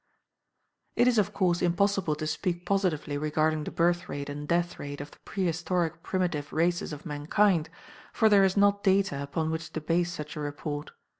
It is, of course, impossible to speak positively regarding the birth rate and death rate of the pre historic primitive races of mankind, for there is not data upon which to base such a report.